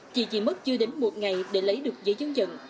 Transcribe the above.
chị chỉ mất chưa đến một ngày để lấy được giấy chứng nhận